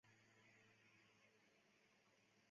有些证据表明即便是偶尔使用也可能会影响视力。